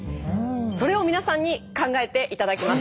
それを皆さんに考えて頂きます。